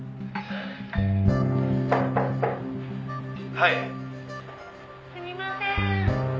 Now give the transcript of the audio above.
「はい」「すみません」